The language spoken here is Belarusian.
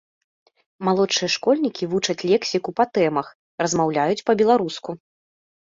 Малодшыя школьнікі вучаць лексіку па тэмах, размаўляюць па-беларуску.